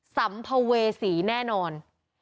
สำภเวศีแน่นอน